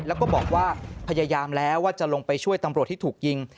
แล้วก็บอกว่าพยายามแล้วว่าจะลงไปช่วยตำรวจที่ถูกยิง